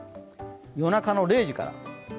夜中の０時から。